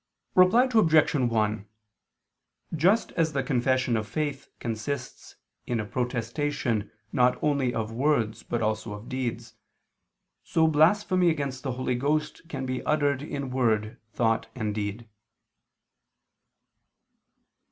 Reply Obj. 1: Just as the confession of faith consists in a protestation not only of words but also of deeds, so blasphemy against the Holy Ghost can be uttered in word, thought and deed.